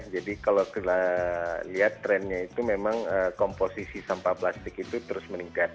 jadi kalau kita lihat trennya itu memang komposisi sampah plastik itu terus meningkat